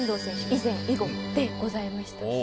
以前以後でございました。